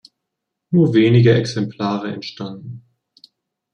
Nur wenige Exemplare entstanden.